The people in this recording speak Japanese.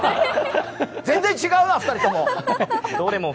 全然違うな、２人とも。